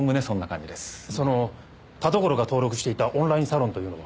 その田所が登録していたオンラインサロンというのは？